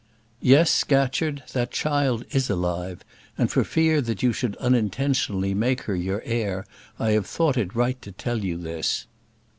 "Yes, Scatcherd, that child is alive; and for fear that you should unintentionally make her your heir, I have thought it right to tell you this."